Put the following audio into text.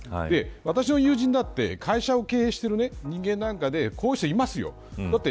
私の友人だって、会社を経営している人にこういう人はいます。